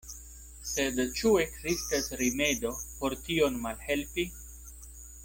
Sed ĉu ekzistas rimedo por tion malhelpi?